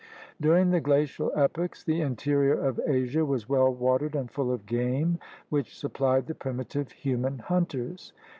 During the glacial epochs the interior of Asia was well watered and full of game which supplied the primitive human hunters.